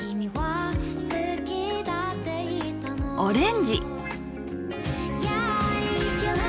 オレンジ。